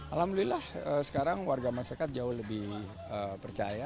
alhamdulillah sekarang warga masyarakat jauh lebih percaya